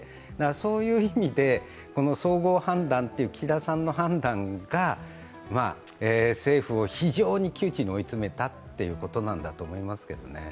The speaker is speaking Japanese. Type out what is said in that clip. そういう意味で、総合判断という岸田さんの判断が政府を非常に窮地に追い詰めたということなんだと思いますけどね。